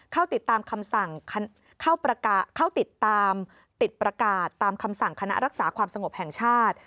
เข้าติดตามประกาศตามคำสั่งคณะรักษาความสงบแห่งชาติ